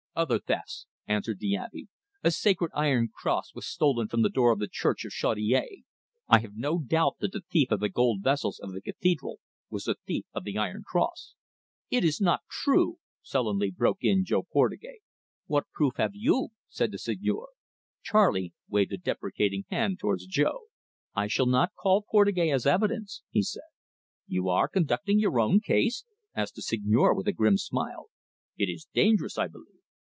"Other thefts," answered the Abbe. "A sacred iron cross was stolen from the door of the church of Chaudiere. I have no doubt that the thief of the gold vessels of the cathedral was the thief of the iron cross." "It is not true," sullenly broke in Jo Portugais. "What proof have you?" said the Seigneur. Charley waved a deprecating hand towards Jo. "I shall not call Portugais as evidence," he said. "You are conducting your own case?" asked the Seigneur, with a grim smile. "It is dangerous, I believe."